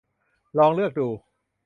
ลองเลือกดู